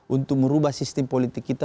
untuk merubah sistem politik kita